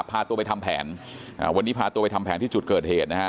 พาตัวไปทำแผนอ่าวันนี้พาตัวไปทำแผนที่จุดเกิดเหตุนะฮะ